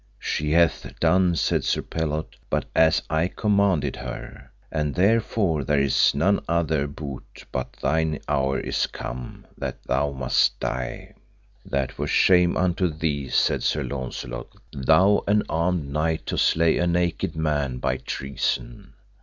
She hath done, said Sir Phelot, but as I commanded her, and therefore there nis none other boot but thine hour is come that thou must die. That were shame unto thee, said Sir Launcelot, thou an armed knight to slay a naked man by treason.